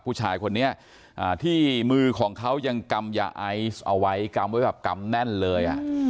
ผู้ชายคนนี้ที่มือของเขายังกำยาไอซ์เอาไว้กำไว้แบบกำแน่นเลย